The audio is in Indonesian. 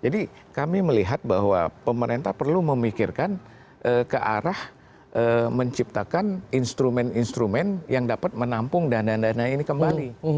jadi kami melihat bahwa pemerintah perlu memikirkan ke arah menciptakan instrumen instrumen yang dapat menampung dana dana ini kembali